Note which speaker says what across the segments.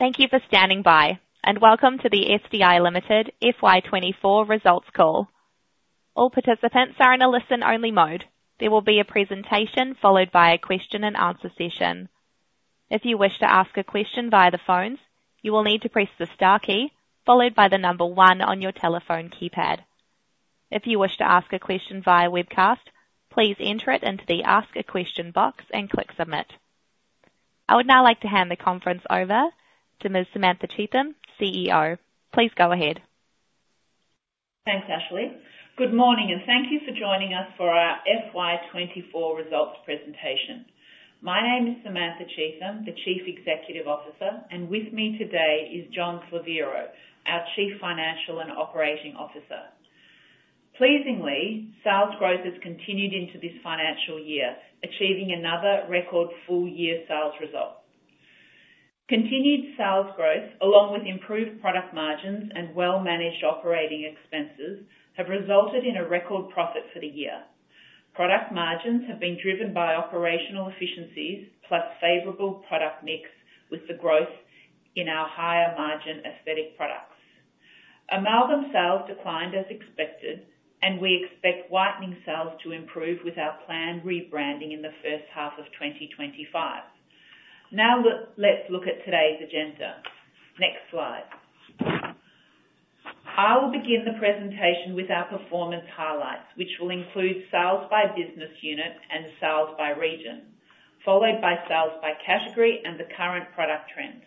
Speaker 1: Thank you for standing by, and welcome to the SDI Limited FY twenty-four results call. All participants are in a listen-only mode. There will be a presentation, followed by a question and answer session. If you wish to ask a question via the phones, you will need to press the star key, followed by the number one on your telephone keypad. If you wish to ask a question via webcast, please enter it into the Ask a Question box and click Submit. I would now like to hand the conference over to Ms. Samantha Cheetham, CEO. Please go ahead.
Speaker 2: Thanks, Ashley. Good morning, and thank you for joining us for our FY twenty-four results presentation. My name is Samantha Cheetham, the Chief Executive Officer, and with me today is John Slaviero, our Chief Financial and Operating Officer. Pleasingly, sales growth has continued into this financial year, achieving another record full-year sales result. Continued sales growth, along with improved product margins and well-managed operating expenses, have resulted in a record profit for the year. Product margins have been driven by operational efficiencies, plus favorable product mix, with the growth in our higher-margin aesthetic products. Amalgam sales declined as expected, and we expect whitening sales to improve with our planned rebranding in the first half of twenty twenty-five. Now, let's look at today's agenda. Next slide. I will begin the presentation with our performance highlights, which will include sales by business unit and sales by region, followed by sales by category and the current product trends.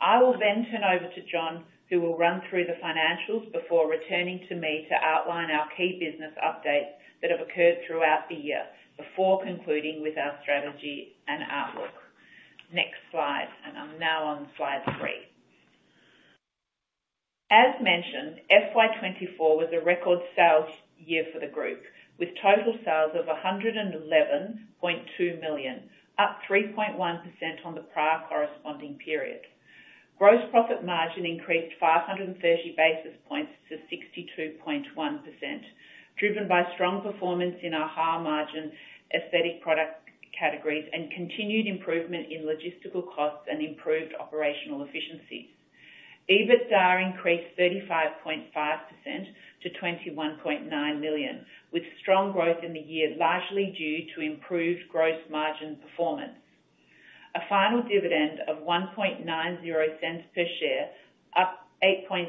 Speaker 2: I will then turn over to John, who will run through the financials before returning to me to outline our key business updates that have occurred throughout the year before concluding with our strategy and outlook. Next slide, and I'm now on slide 3. As mentioned, FY 2024 was a record sales year for the group, with total sales of 111.2 million, up 3.1% on the prior corresponding period. Gross profit margin increased 530 basis points to 62.1%, driven by strong performance in our higher-margin aesthetic product categories and continued improvement in logistical costs and improved operational efficiencies. EBITDA increased 35.5% to 21.9 million, with strong growth in the year, largely due to improved gross margin performance. A final dividend of 0.019 per share, up 8.6%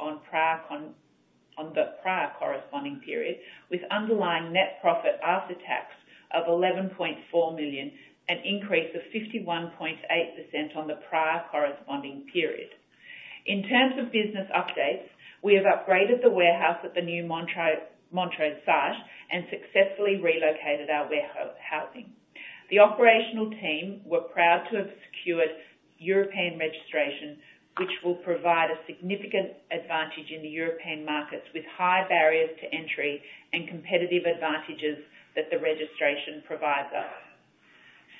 Speaker 2: on the prior corresponding period, with underlying net profit after tax of 11.4 million, an increase of 51.8% on the prior corresponding period. In terms of business updates, we have upgraded the warehouse at the new Montrose site and successfully relocated our warehousing. The operational team were proud to have secured European registration, which will provide a significant advantage in the European markets, with high barriers to entry and competitive advantages that the registration provides us.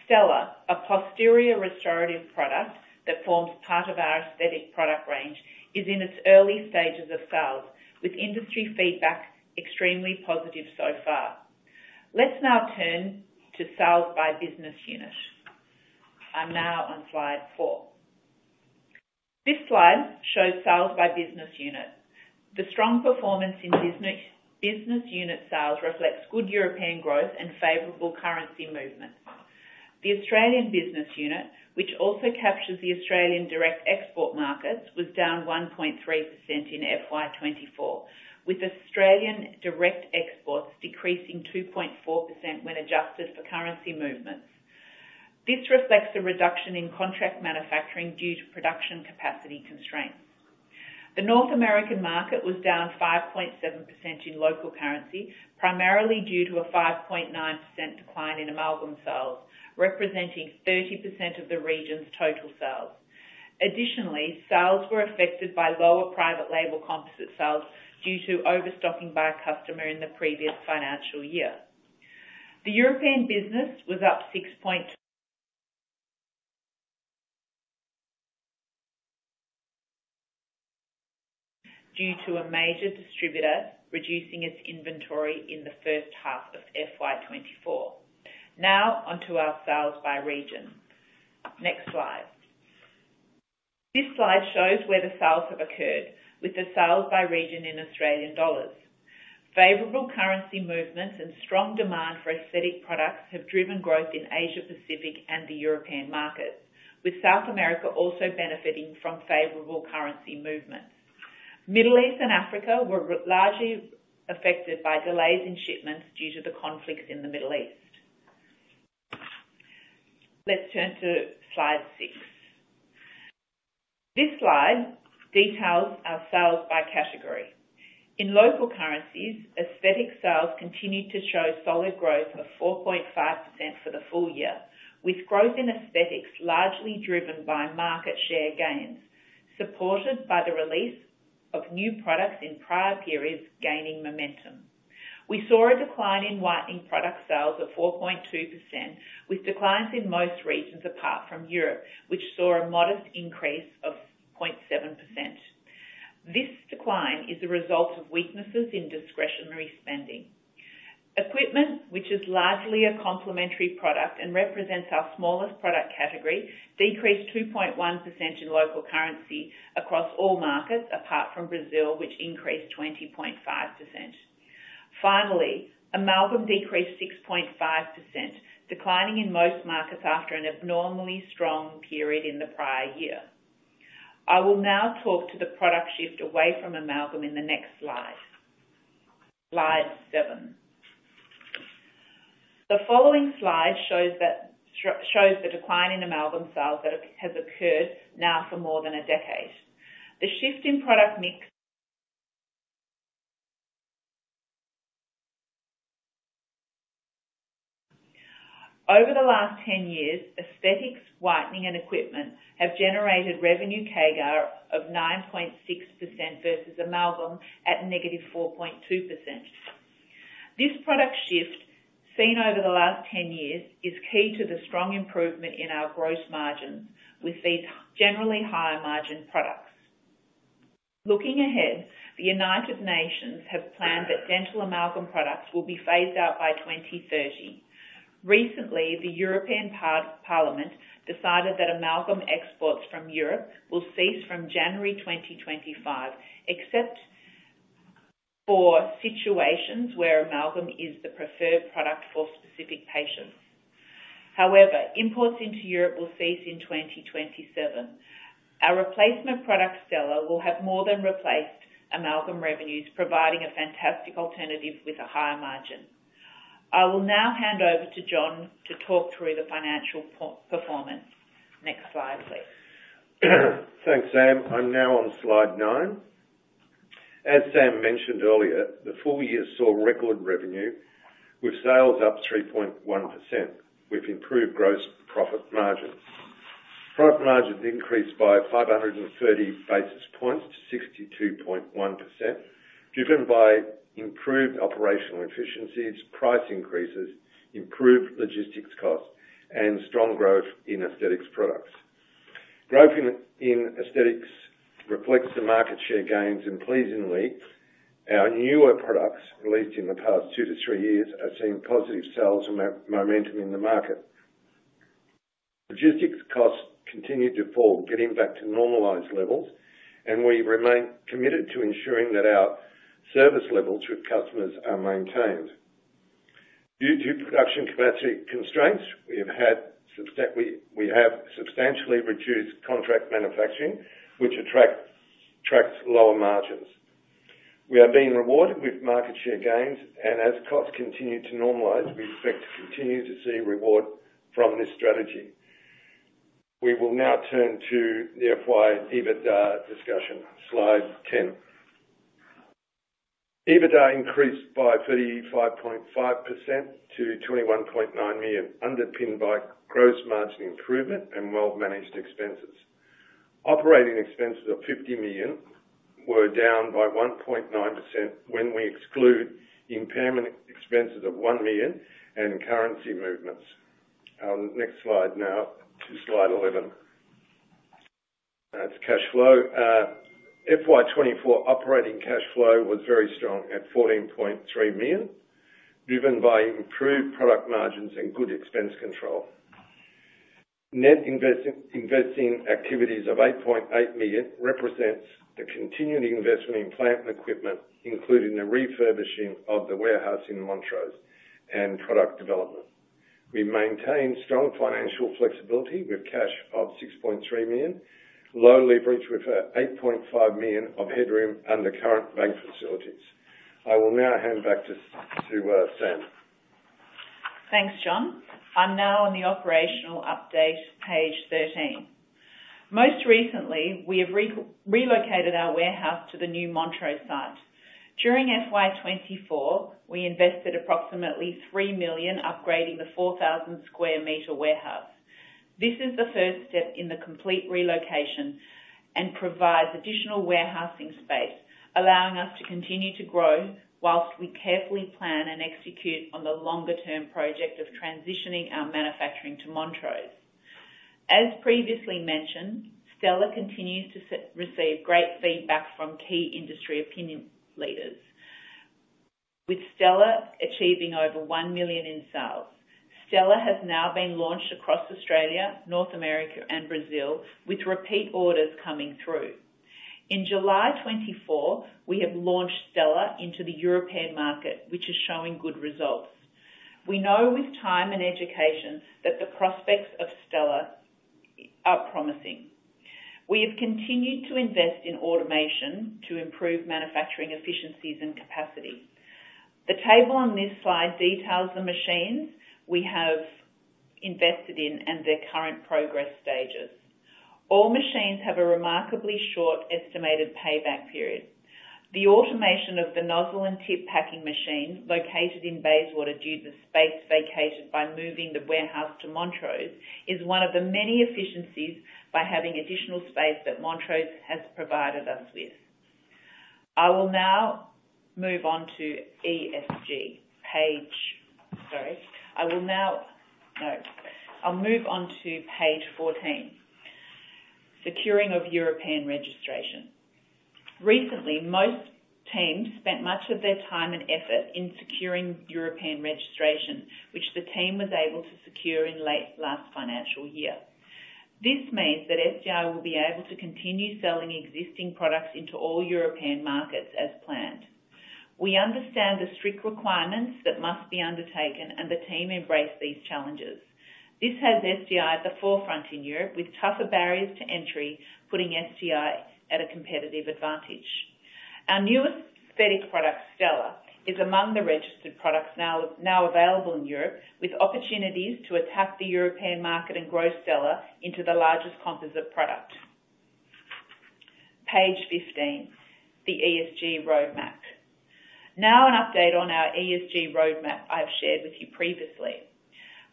Speaker 2: Stela, a posterior restorative product that forms part of our aesthetic product range, is in its early stages of sales, with industry feedback extremely positive so far. Let's now turn to sales by business unit. I'm now on slide four. This slide shows sales by business unit. The strong performance in business unit sales reflects good European growth and favorable currency movements. The Australian business unit, which also captures the Australian direct export markets, was down 1.3% in FY 2024, with Australian direct exports decreasing 2.4% when adjusted for currency movements. This reflects the reduction in contract manufacturing due to production capacity constraints. The North American market was down 5.7% in local currency, primarily due to a 5.9% decline in amalgam sales, representing 30% of the region's total sales. Additionally, sales were affected by lower private label composite sales due to overstocking by a customer in the previous financial year. The European business was up 6% due to a major distributor reducing its inventory in the first half of FY 2024. Now, onto our sales by region. Next slide. This slide shows where the sales have occurred with the sales by region in Australian dollars. Favorable currency movements and strong demand for aesthetic products have driven growth in Asia Pacific and the European markets, with South America also benefiting from favorable currency movements. Middle East and Africa were largely affected by delays in shipments due to the conflicts in the Middle East. Let's turn to slide six. This slide details our sales by category. In local currencies, aesthetic sales continued to show solid growth of 4.5% for the full year, with growth in aesthetics largely driven by market share gains, supported by the release of new products in prior periods gaining momentum. We saw a decline in whitening product sales of 4.2%, with declines in most regions apart from Europe, which saw a modest increase. This decline is a result of weaknesses in discretionary spending. Equipment, which is largely a complementary product and represents our smallest product category, decreased 2.1% in local currency across all markets, apart from Brazil, which increased 20.5%. Finally, Amalgam decreased 6.5%, declining in most markets after an abnormally strong period in the prior year. I will now talk to the product shift away from Amalgam in the next slide. Slide seven. The following slide shows that shows the decline in Amalgam sales that has occurred now for more than a decade. The shift in product mix. Over the last ten years, aesthetics, whitening, and equipment have generated revenue CAGR of 9.6% versus Amalgam at negative 4.2%. This product shift, seen over the last ten years, is key to the strong improvement in our gross margins with these generally higher-margin products. Looking ahead, the United Nations have planned that dental amalgam products will be phased out by 2030. Recently, the European Parliament decided that amalgam exports from Europe will cease from January 2025, except for situations where amalgam is the preferred product for specific patients. However, imports into Europe will cease in 2027. Our replacement product, Stela, will have more than replaced amalgam revenues, providing a fantastic alternative with a higher margin. I will now hand over to John to talk through the financial performance. Next slide, please.
Speaker 3: Thanks, Sam. I'm now on slide nine. As Sam mentioned earlier, the full year saw record revenue, with sales up 3.1%, with improved gross profit margins. Profit margins increased by five hundred and thirty basis points to 62.1%, driven by improved operational efficiencies, price increases, improved logistics costs, and strong growth in aesthetics products. Growth in aesthetics reflects the market share gains, and pleasingly, our newer products, released in the past two to three years, have seen positive sales and momentum in the market. Logistics costs continued to fall, getting back to normalized levels, and we remain committed to ensuring that our service levels with customers are maintained. Due to production capacity constraints, we have substantially reduced contract manufacturing, which tracks lower margins. We are being rewarded with market share gains, and as costs continue to normalize, we expect to continue to see reward from this strategy. We will now turn to the FY EBITDA discussion. Slide 10. EBITDA increased by 35.5% to 21.9 million, underpinned by gross margin improvement and well-managed expenses. Operating expenses of 50 million were down by 1.9% when we exclude impairment expenses of 1 million and currency movements. Next slide, now to slide 11. That's cash flow. FY 2024 operating cash flow was very strong at 14.3 million, driven by improved product margins and good expense control. Net investing activities of 8.8 million represents the continuing investment in plant and equipment, including the refurbishing of the warehouse in Montrose and product development. We maintain strong financial flexibility with cash of 6.3 million, low leverage with 8.5 million of headroom under current bank facilities. I will now hand back to Sam.
Speaker 2: Thanks, John. I'm now on the operational update, page 13. Most recently, we have relocated our warehouse to the new Montrose site. During FY 2024, we invested approximately 3 million, upgrading the 4,000 sq m warehouse. This is the first step in the complete relocation and provides additional warehousing space, allowing us to continue to grow while we carefully plan and execute on the longer-term project of transitioning our manufacturing to Montrose. As previously mentioned, Stela continues to receive great feedback from key industry opinion leaders, with Stela achieving over 1 million in sales. Stela has now been launched across Australia, North America, and Brazil, with repeat orders coming through. In July 2024, we have launched Stela into the European market, which is showing good results. We know with time and education that the prospects of Stela are promising. We have continued to invest in automation to improve manufacturing efficiencies and capacity. The table on this slide details the machines we have invested in and their current progress stages. All machines have a remarkably short estimated payback period. The automation of the nozzle and tip packing machine, located in Bayswater, due to space vacated by moving the warehouse to Montrose, is one of the many efficiencies by having additional space that Montrose has provided us with. I will now move on to ESG. No, I'll move on to page fourteen, Securing of European Registration. Recently, most teams spent much of their time and effort in securing European registration, which the team was able to secure in late last financial year. This means that SDI will be able to continue selling existing products into all European markets as planned. We understand the strict requirements that must be undertaken, and the team embraced these challenges. This has SDI at the forefront in Europe, with tougher barriers to entry, putting SDI at a competitive advantage. Our newest aesthetic product, Stela, is among the registered products now, now available in Europe, with opportunities to attack the European market and grow Stela into the largest composite product. Page 15, the ESG Roadmap. Now, an update on our ESG roadmap I've shared with you previously.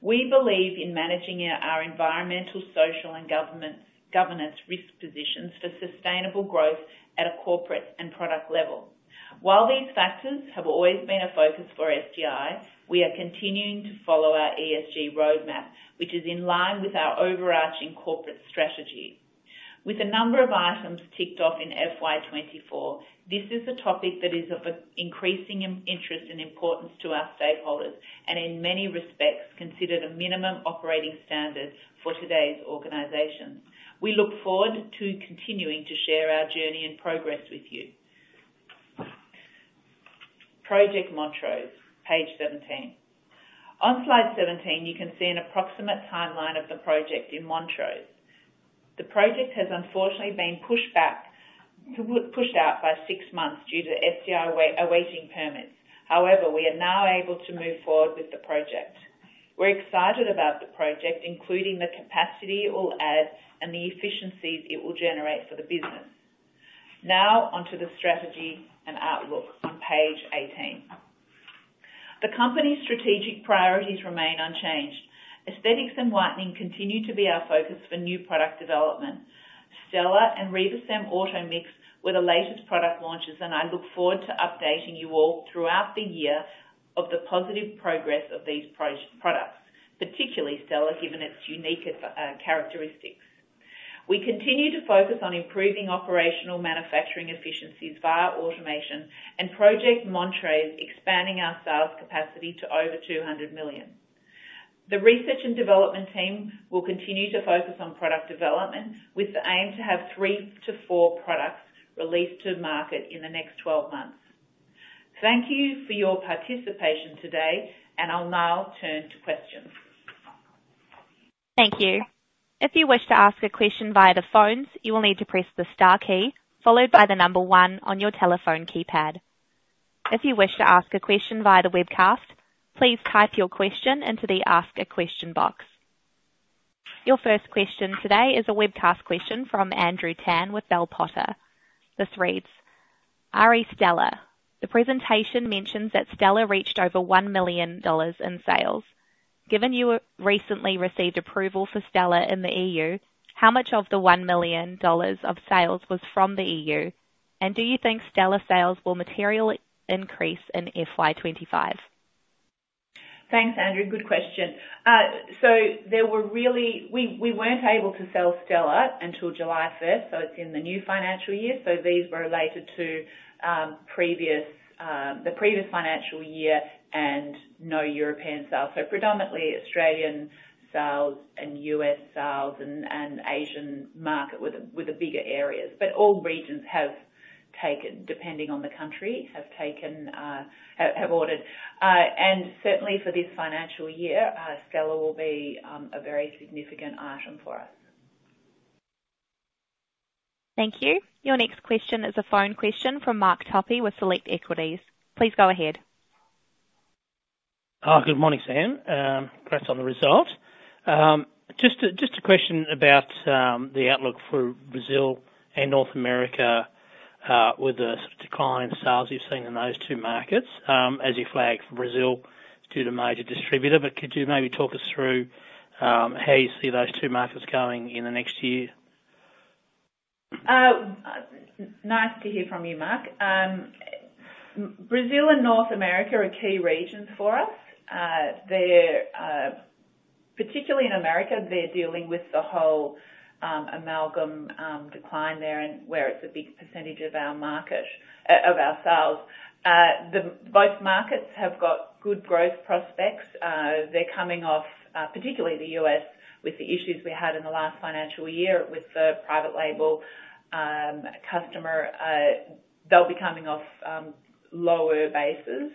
Speaker 2: We believe in managing our environmental, social, and governance risk positions for sustainable growth at a corporate and product level. While these factors have always been a focus for SDI, we are continuing to follow our ESG roadmap, which is in line with our overarching corporate strategy. With a number of items ticked off in FY 2024, this is a topic that is of increasing interest and importance to our stakeholders, and in many respects, considered a minimum operating standard for today's organizations. We look forward to continuing to share our journey and progress with you. Project Montrose, page 17. On slide 17, you can see an approximate timeline of the project in Montrose. The project has unfortunately been pushed out by six months due to SDI awaiting permits. However, we are now able to move forward with the project. We're excited about the project, including the capacity it will add and the efficiencies it will generate for the business. Now, onto the strategy and outlook on page 18. The company's strategic priorities remain unchanged. Aesthetics and whitening continue to be our focus for new product development. Stela and Riva Cem Automix were the latest product launches, and I look forward to updating you all throughout the year of the positive progress of these products, particularly Stela, given its unique characteristics. We continue to focus on improving operational manufacturing efficiencies via automation and Project Montrose, expanding our sales capacity to over 200 million. The research and development team will continue to focus on product development, with the aim to have three to four products released to market in the next twelve months. Thank you for your participation today, and I'll now turn to questions.
Speaker 1: Thank you. If you wish to ask a question via the phones, you will need to press the star key, followed by the number one on your telephone keypad. If you wish to ask a question via the webcast, please type your question into the Ask a Question box. Your first question today is a webcast question from Andrew Tan with Bell Potter. This reads: Re: Stela, the presentation mentions that Stela reached over 1 million dollars in sales. Given you recently received approval for Stela in the EU, how much of the 1 million dollars in sales was from the EU? And do you think Stela sales will materially increase in FY twenty-five?
Speaker 2: Thanks, Andrew. Good question. So there were really... We weren't able to sell Stela until July first, so it's in the new financial year. So these were related to previous, the previous financial year and no European sales. So predominantly Australian sales and US sales and Asian market were the bigger areas. But all regions have taken, depending on the country, have taken, have ordered. And certainly for this financial year, Stela will be a very significant item for us.
Speaker 1: Thank you. Your next question is a phone question from Mark Tuppy with Select Equities. Please go ahead.
Speaker 4: Good morning, Sam. Congrats on the result. Just a question about the outlook for Brazil and North America, with the sort of decline in sales you've seen in those two markets, as you flagged for Brazil, due to major distributor, but could you maybe talk us through how you see those two markets going in the next year?
Speaker 2: Nice to hear from you, Mark. Brazil and North America are key regions for us. They're particularly in America, they're dealing with the whole amalgam decline there and where it's a big percentage of our market of our sales. Both markets have got good growth prospects. They're coming off particularly the US, with the issues we had in the last financial year with the private label customer. They'll be coming off lower bases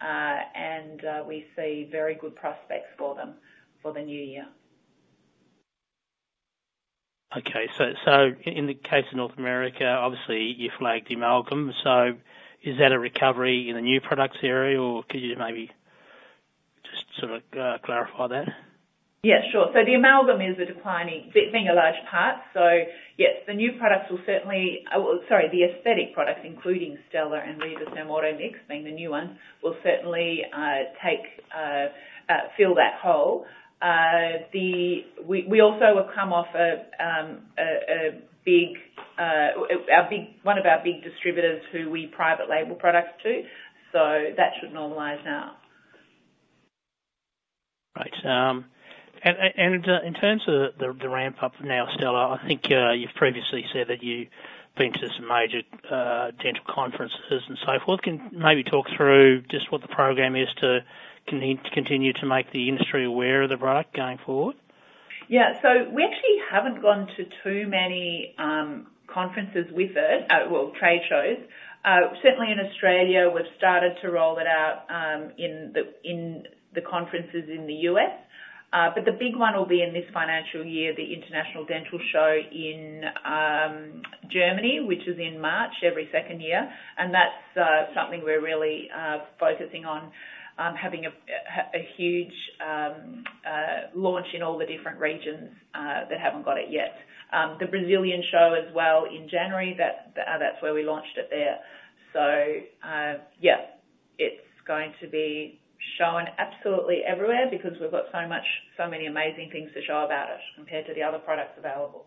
Speaker 2: and we see very good prospects for them for the new year.
Speaker 4: Okay. So, in the case of North America, obviously, you flagged the amalgam. So is that a recovery in the new products area, or could you maybe just sort of clarify that?
Speaker 2: Yeah, sure. So the amalgam is a declining, being a large part. So yes, the new products will certainly... Sorry, the aesthetic products, including Stela and Riva Cem Automix, being the new one, will certainly take fill that hole. We also have come off a big one of our big distributors, who we private label products to, so that should normalize now.
Speaker 4: Great. And in terms of the ramp up now, Stela, I think you've previously said that you've been to some major dental conferences and so forth. Can maybe talk through just what the program is to continue to make the industry aware of the product going forward?
Speaker 2: Yeah. So we actually haven't gone to too many conferences with it, well, trade shows. Certainly in Australia, we've started to roll it out in the conferences in the US, but the big one will be in this financial year, the International Dental Show in Germany, which is in March every second year. That's something we're really focusing on, having a huge launch in all the different regions that haven't got it yet. The Brazilian show as well in January, that's where we launched it there. Yeah, it's going to be shown absolutely everywhere because we've got so much, so many amazing things to show about it compared to the other products available.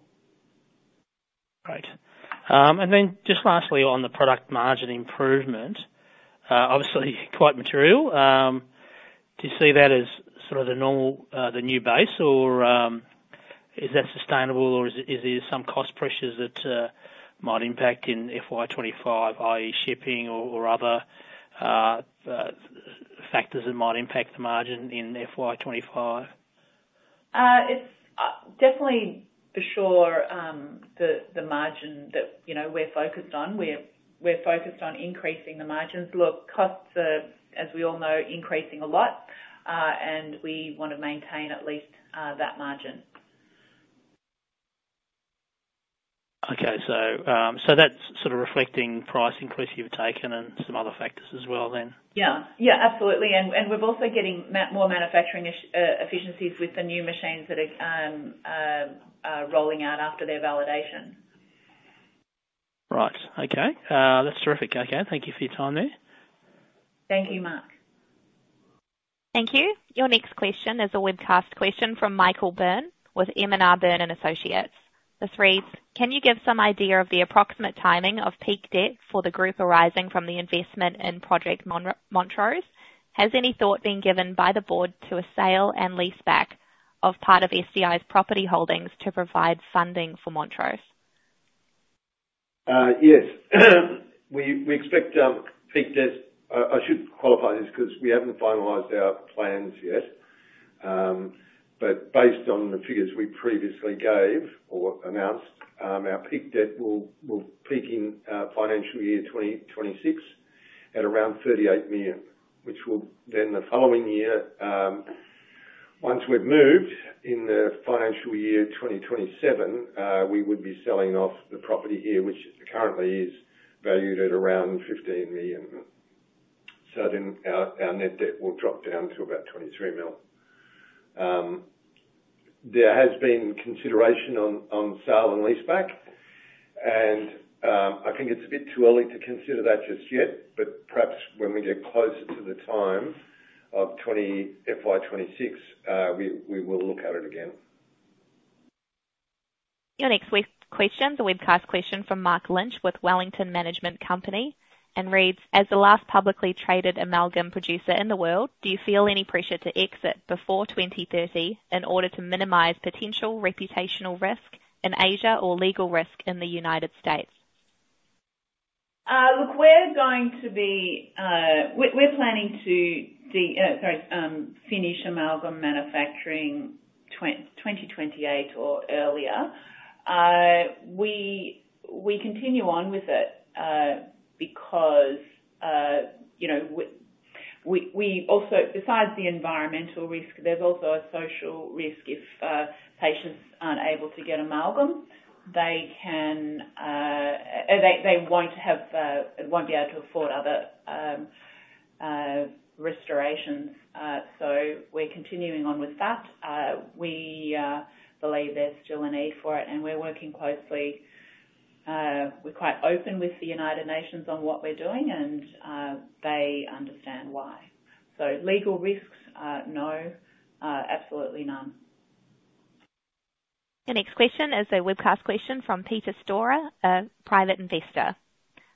Speaker 4: Great. And then just lastly, on the product margin improvement, obviously quite material. Do you see that as sort of the normal, the new base? Or, is that sustainable or is there some cost pressures that might impact in FY 2025, i.e., shipping or other factors that might impact the margin in FY 2025?
Speaker 2: It's definitely for sure the margin that you know we're focused on, we're focused on increasing the margins. Look, costs are, as we all know, increasing a lot, and we want to maintain at least that margin.
Speaker 4: Okay, so that's sort of reflecting price increase you've taken and some other factors as well then?
Speaker 2: Yeah. Yeah, absolutely. And we're also getting more manufacturing efficiencies with the new machines that are rolling out after their validation.
Speaker 4: Right. Okay. That's terrific. Okay, thank you for your time there.
Speaker 2: Thank you, Mark.
Speaker 1: Thank you. Your next question is a webcast question from Michael Byrne with M&R Byrne & Associates. This reads: Can you give some idea of the approximate timing of peak debt for the group arising from the investment in Project Montrose? Has any thought been given by the board to a sale and leaseback of part of SDI's property holdings to provide funding for Montrose?
Speaker 3: Yes. We expect peak debt. I should qualify this, because we haven't finalized our plans yet. But based on the figures we previously gave or announced, our peak debt will peak in financial year 2026 at around 38 million, which will then the following year, once we've moved in the financial year 2027, we would be selling off the property here, which currently is valued at around 15 million. So then our net debt will drop down to about 23 mil. There has been consideration on sale and leaseback, and I think it's a bit too early to consider that just yet, but perhaps when we get closer to the time of 2026 FY, we will look at it again.
Speaker 1: Your next web question, the webcast question from Mark Lynch with Wellington Management Company, and reads: As the last publicly traded amalgam producer in the world, do you feel any pressure to exit before twenty thirty in order to minimize potential reputational risk in Asia, or legal risk in the United States?
Speaker 2: Look, we're going to be. We're planning to finish amalgam manufacturing twenty twenty-eight or earlier. We continue on with it because you know we also besides the environmental risk, there's also a social risk if patients aren't able to get amalgam, they won't be able to afford other restorations. So we're continuing on with that. We believe there's still a need for it, and we're working closely. We're quite open with the United Nations on what we're doing, and they understand why. So legal risks, no, absolutely none.
Speaker 1: The next question is a webcast question from Peter Storer, a private investor.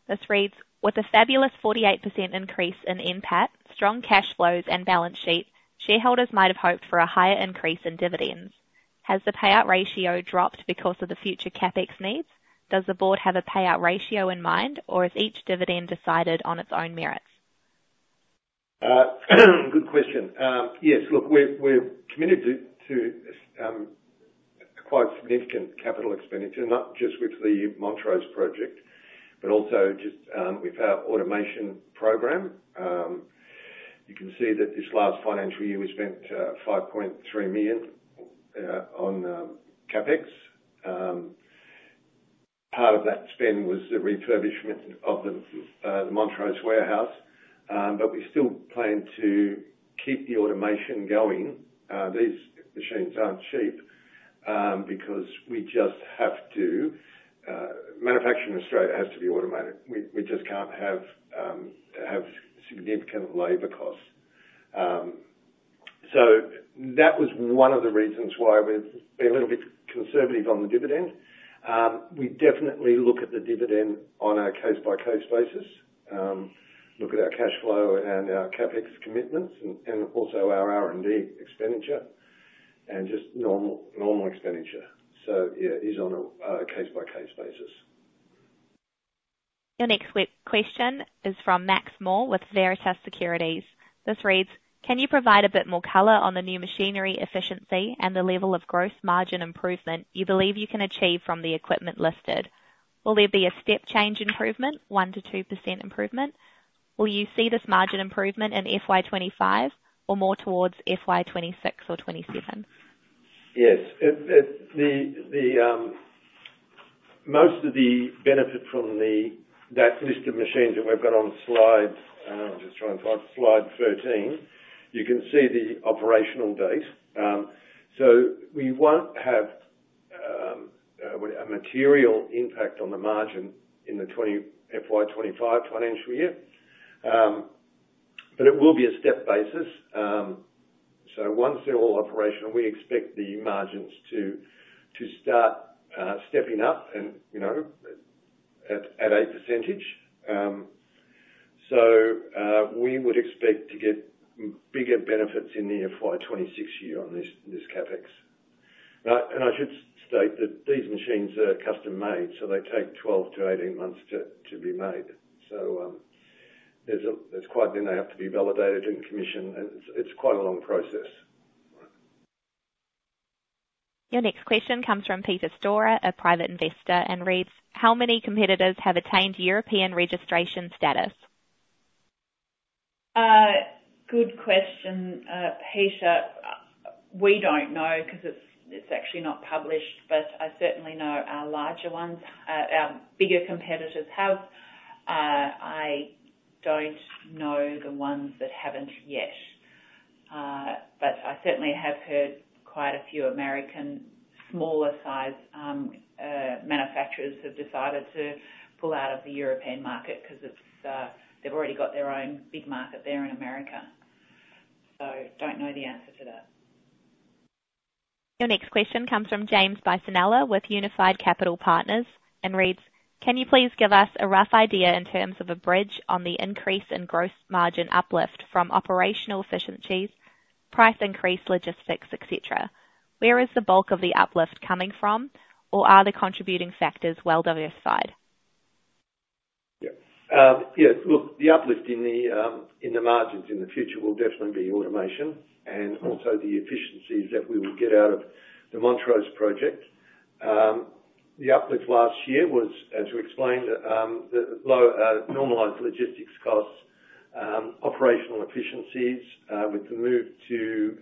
Speaker 1: This reads: With a fabulous 48% increase in NPAT, strong cash flows and balance sheet, shareholders might have hoped for a higher increase in dividends. Has the payout ratio dropped because of the future CapEx needs? Does the board have a payout ratio in mind, or is each dividend decided on its own merits?
Speaker 3: Good question. Yes, look, we're committed to quite significant capital expenditure, not just with the Montrose project, but also just with our automation program. You can see that this last financial year, we spent 5.3 million on CapEx. Part of that spend was the refurbishment of the Montrose warehouse. But we still plan to keep the automation going. These machines aren't cheap because we just have to. Manufacturing in Australia has to be automated. We just can't have significant labor costs. So that was one of the reasons why we've been a little bit conservative on the dividend. We definitely look at the dividend on a case-by-case basis, look at our cash flow and our CapEx commitments and also our R&D expenditure and just normal expenditure. So yeah, it's on a case-by-case basis.
Speaker 1: Your next question is from Max Moore with Veritas Securities. This reads: Can you provide a bit more color on the new machinery efficiency and the level of gross margin improvement you believe you can achieve from the equipment listed? Will there be a step change improvement, 1%-2% improvement? Will you see this margin improvement in FY 2025 or more towards FY 2026 or 2027?
Speaker 3: Yes. It, the, most of the benefit from the, that list of machines that we've got on slide, I'm just trying to find, slide thirteen, you can see the operational date. So we won't have, a material impact on the margin in the FY 2025 financial year. But it will be a step basis. So once they're all operational, we expect the margins to start stepping up and, you know, at a percentage. So, we would expect to get bigger benefits in the FY 2026 year on this CapEx. Now and I should state that these machines are custom-made, so they take 12-18 months to be made. So, there's a- there's quite... Then they have to be validated and commissioned, and it's quite a long process.
Speaker 1: Your next question comes from Peter Storer, a private investor, and reads: How many competitors have attained European registration status?
Speaker 2: Good question, Peter. We don't know, 'cause it's actually not published, but I certainly know our larger ones, our bigger competitors have. I don't know the ones that haven't yet. But I certainly have heard quite a few American smaller sized manufacturers have decided to pull out of the European market 'cause it's, they've already got their own big market there in America. So don't know the answer to that.
Speaker 1: Your next question comes from James Bisinella with Unified Capital Partners and reads: Can you please give us a rough idea in terms of a bridge on the increase in gross margin uplift from operational efficiencies, price increase, logistics, et cetera? Where is the bulk of the uplift coming from, or are the contributing factors well-diversified?
Speaker 3: Yeah. Yeah, look, the uplift in the margins in the future will definitely be automation and also the efficiencies that we will get out of the Montrose project. The uplift last year was, as we explained, the low, normalized logistics costs, operational efficiencies, with the move to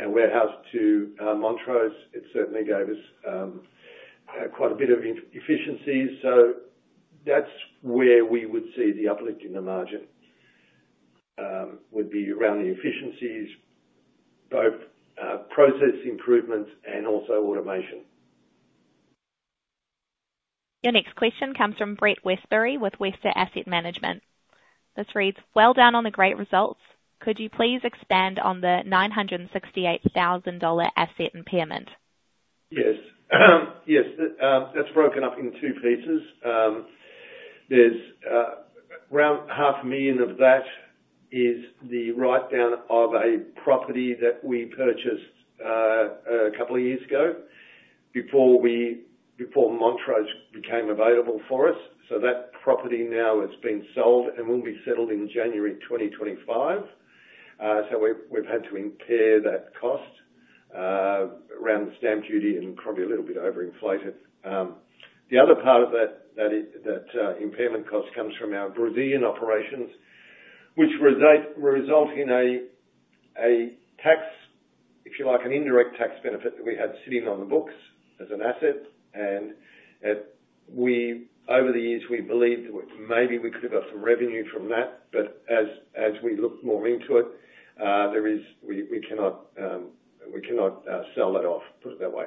Speaker 3: our warehouse to Montrose. It certainly gave us quite a bit of efficiency, so that's where we would see the uplift in the margin, would be around the efficiencies, both process improvements and also automation.
Speaker 1: Your next question comes from Brett Westbury with Western Asset Management. This reads: Well done on the great results. Could you please expand on the 968,000 dollar asset impairment?
Speaker 3: Yes. Yes, that's broken up into two pieces. There's around 500,000 of that is the write-down of a property that we purchased a couple of years ago before Montrose became available for us. So that property now has been sold and will be settled in January 2025. So we've had to impair that cost around the stamp duty and probably a little bit overinflated. The other part of that is that impairment cost comes from our Brazilian operations, which result in a tax, if you like, an indirect tax benefit that we had sitting on the books as an asset, and over the years, we believed that maybe we could have got some revenue from that, but as we looked more into it, there is... We cannot sell that off, put it that way.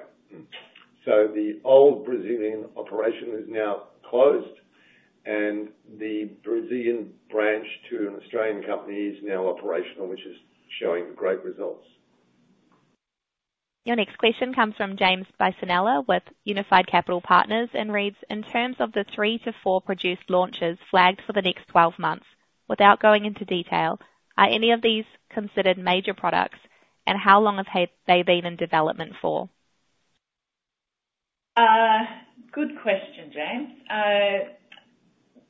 Speaker 3: So the old Brazilian operation is now closed, and the Brazilian branch to an Australian company is now operational, which is showing great results.
Speaker 1: Your next question comes from James Bisinella, with Unified Capital Partners, and reads: In terms of the three-to-four product launches flagged for the next 12 months, without going into detail, are any of these considered major products, and how long have they been in development for?
Speaker 2: Good question, James.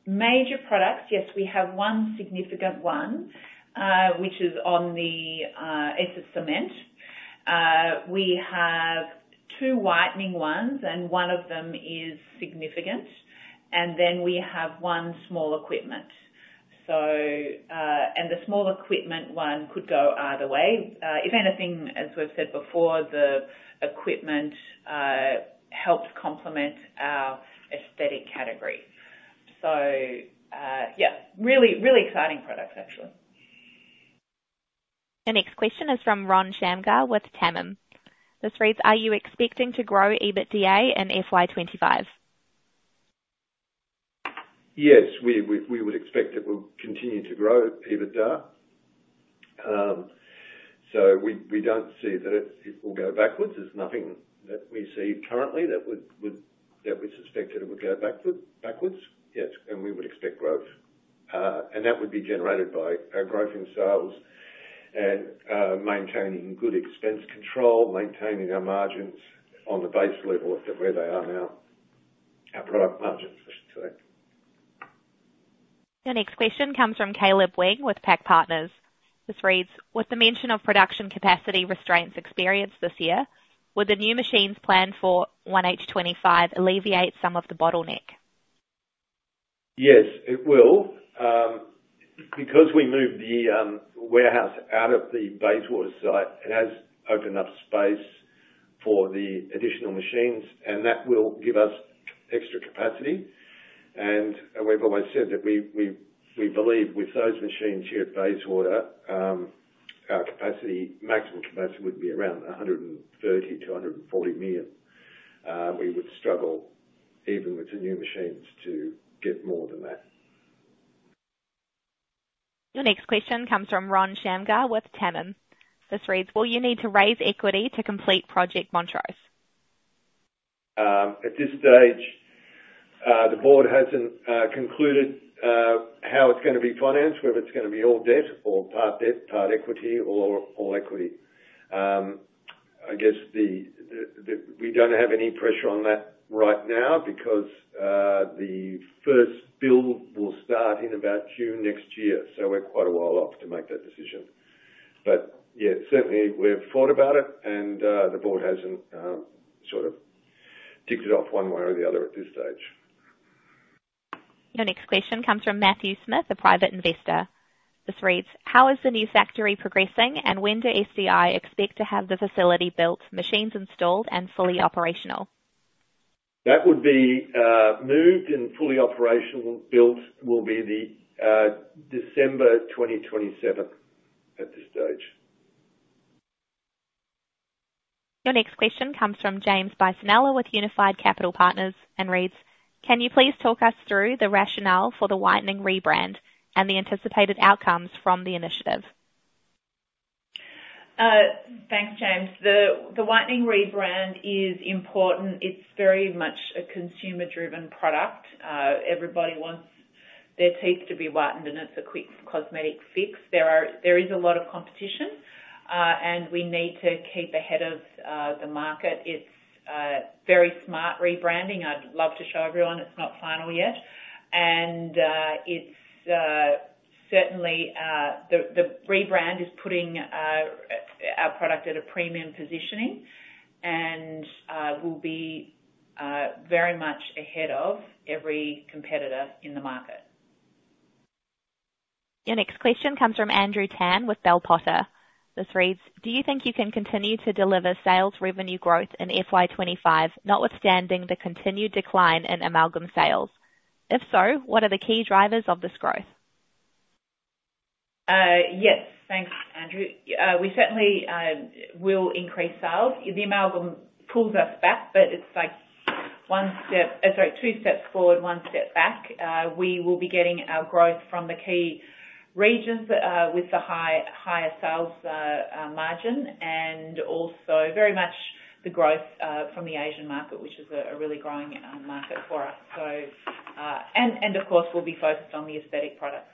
Speaker 2: Major products, yes, we have one significant one, which is on the Riva Cem. We have two whitening ones, and one of them is significant, and then we have one small equipment. So, and the small equipment one could go either way. If anything, as we've said before, the equipment helps complement our aesthetic category. So, yeah, really, really exciting products, actually.
Speaker 1: The next question is from Ron Shamgar with TAMIM. This reads: Are you expecting to grow EBITDA in FY 2025?...
Speaker 3: Yes, we would expect it will continue to grow EBITDA. So we don't see that it will go backwards. There's nothing that we see currently that would that we suspect that it would go backwards. Yes, and we would expect growth. And that would be generated by our growth in sales and maintaining good expense control, maintaining our margins on the base level at where they are now, our product margins, I should say.
Speaker 1: Your next question comes from Caleb Weng with PAC Partners. This reads: With the mention of production capacity restraints experienced this year, will the new machines planned for one H twenty-five alleviate some of the bottleneck?
Speaker 3: Yes, it will. Because we moved the warehouse out of the Bayswater site, it has opened up space for the additional machines, and that will give us extra capacity. And we've always said that we believe with those machines here at Bayswater, our maximum capacity would be around 130-140 million. We would struggle, even with the new machines, to get more than that.
Speaker 1: Your next question comes from Ron Shamgar with TAMIM. This reads: Will you need to raise equity to complete Project Montrose?
Speaker 3: At this stage, the board hasn't concluded how it's gonna be financed, whether it's gonna be all debt, or part debt, part equity, or all equity. I guess we don't have any pressure on that right now because the first build will start in about June next year, so we're quite a while off to make that decision. But yeah, certainly we've thought about it, and the board hasn't sort of ticked it off one way or the other at this stage.
Speaker 1: Your next question comes from Matthew Smith, a private investor. This reads: How is the new factory progressing, and when do SDI expect to have the facility built, machines installed, and fully operational?
Speaker 3: That would be moved and fully operational. Built will be the December 27, 2020 at this stage.
Speaker 1: Your next question comes from James Bisinella with Unified Capital Partners and reads: Can you please talk us through the rationale for the whitening rebrand and the anticipated outcomes from the initiative?
Speaker 2: Thanks, James. The whitening rebrand is important. It's very much a consumer-driven product. Everybody wants their teeth to be whitened, and it's a quick cosmetic fix. There is a lot of competition, and we need to keep ahead of the market. It's very smart rebranding. I'd love to show everyone. It's not final yet, and it's certainly the rebrand is putting our product at a premium positioning and will be very much ahead of every competitor in the market.
Speaker 1: Your next question comes from Andrew Tan with Bell Potter. This reads: Do you think you can continue to deliver sales revenue growth in FY twenty-five, notwithstanding the continued decline in amalgam sales? If so, what are the key drivers of this growth?
Speaker 2: Yes. Thanks, Andrew. We certainly will increase sales. The amalgam pulls us back, but it's like one step, sorry, two steps forward, one step back. We will be getting our growth from the key regions with the higher sales margin, and also very much the growth from the Asian market, which is a really growing market for us. So... And, of course, we'll be focused on the aesthetic products.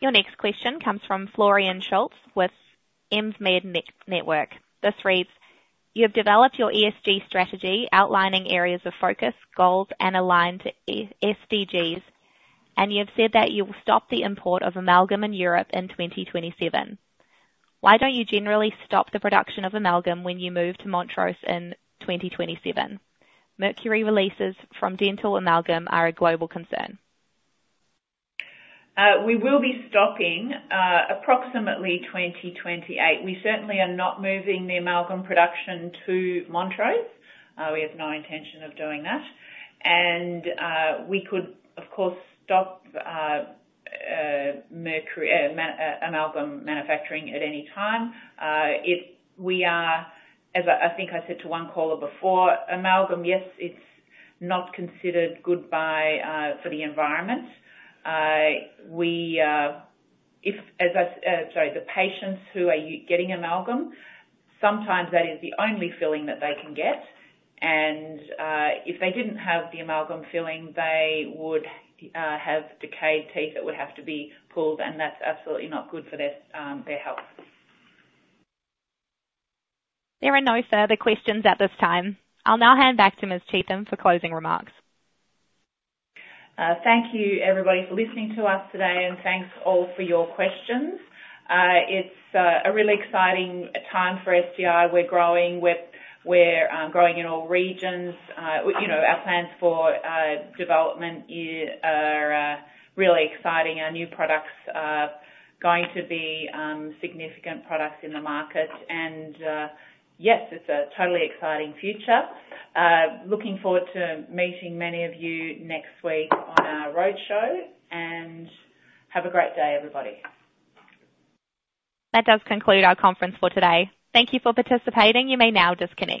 Speaker 1: Your next question comes from Florian Schulze with I-med Med Network. This reads: You have developed your ESG strategy, outlining areas of focus, goals, and aligned to ESGs, and you have said that you will stop the import of amalgam in Europe in 2027. Why don't you generally stop the production of amalgam when you move to Montrose in 2027? Mercury releases from dental amalgam are a global concern.
Speaker 2: We will be stopping approximately 2028. We certainly are not moving the amalgam production to Montrose. We have no intention of doing that. We could, of course, stop mercury amalgam manufacturing at any time. We are, as I think I said to one caller before, amalgam yes. It's not considered good for the environment. The patients who are getting amalgam, sometimes that is the only filling that they can get, and if they didn't have the amalgam filling, they would have decayed teeth that would have to be pulled, and that's absolutely not good for their health.
Speaker 1: There are no further questions at this time. I'll now hand back to Ms. Cheetham for closing remarks.
Speaker 2: Thank you, everybody, for listening to us today, and thanks all for your questions. It's a really exciting time for SDI. We're growing. We're growing in all regions. You know, our plans for development are really exciting. Our new products are going to be significant products in the market, and yes, it's a totally exciting future. Looking forward to meeting many of you next week on our roadshow, and have a great day, everybody.
Speaker 1: That does conclude our conference for today. Thank you for participating. You may now disconnect.